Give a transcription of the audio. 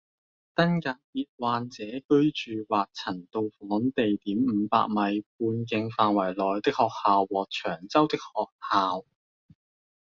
登革熱患者居住或曾到訪地點五百米半徑範圍內的學校和長洲的學校